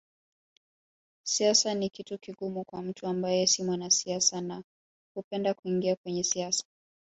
Siasa ni kitu kigumu kwa mtu ambaye si mwanasiasa na hakupenda kuingia kwenye siasa